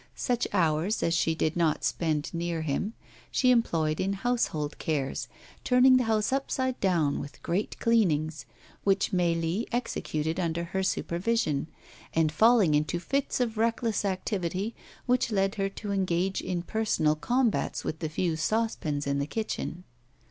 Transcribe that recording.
Such hours as she did not spend near him, she employed in household cares, turning the house upside down with great cleanings, which Mélie executed under her supervision, and falling into fits of reckless activity, which led her to engage in personal combats with the few saucepans in the kitchen.